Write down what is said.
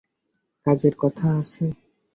কাজের কথা আছে।